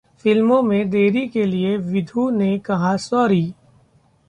फिल्मों में देरी के लिए विधु ने कहा 'सॉरी'